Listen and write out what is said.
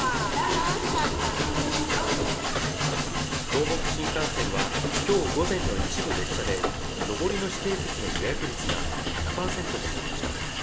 東北新幹線はきょう午前の一部列車で上りの指定席の予約率が１００％となりました